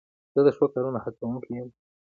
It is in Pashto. زه د ښو کارونو هڅوونکی یم.